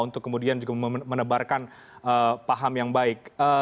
untuk kemudian juga menebarkan paham yang baik